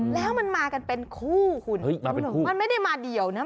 แล้วมันมากันเป็นคู่คุณเฮ้ยมาเป็นคู่มันไม่ได้มาเดี๋ยวนะ